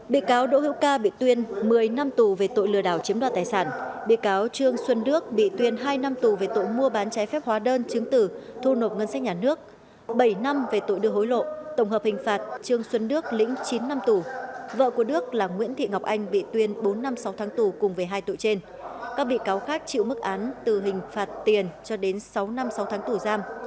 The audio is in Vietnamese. bị cáo đỗ hiệu ca bị tuyên một mươi năm tù về tội lừa đảo chiếm đoạt tài sản bị cáo trương xuân đức bị tuyên hai năm tù về tội mua bán trái phép hóa đơn chứng tử thu nộp ngân sách nhà nước bảy năm về tội đưa hối lộ tổng hợp hình phạt trương xuân đức lĩnh chín năm tù vợ của đức là nguyễn thị ngọc anh bị tuyên bốn năm sáu tháng tù cùng về hai tù trên các bị cáo khác chịu mức án từ hình phạt tiền cho đến sáu năm sáu tháng tù giam